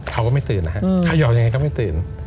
เขาก็ไม่ตื่นนะฮะเขย่ายังไงก็ไม่ตื่น